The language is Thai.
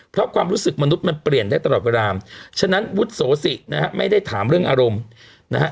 เพราะความรู้สึกมนุษย์มันเปลี่ยนได้ตลอดเวลาฉะนั้นวุฒิโสศินะฮะไม่ได้ถามเรื่องอารมณ์นะฮะ